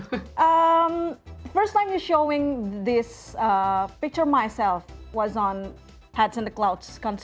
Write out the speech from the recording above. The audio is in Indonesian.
pertama kali kamu menunjukkan gambar aku di konsert hats and the cloud kan